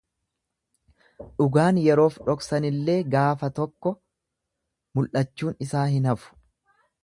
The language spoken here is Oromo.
Dhugaan yeroof dhoksanillee gaafa tokko mul'achuun isaa hin hafu.